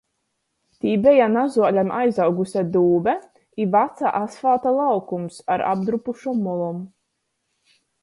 Tī beja nazuolem aizauguse dūbe i vaca asvalta laukums ar apdrupušom molom.